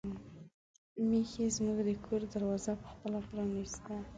میښې زموږ د کور دروازه په خپله پرانیسته.